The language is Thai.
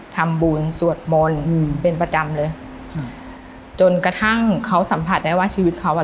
ทำบุญสวดมนต์อืมเป็นประจำเลยอืมจนกระทั่งเขาสัมผัสได้ว่าชีวิตเขาอ่ะ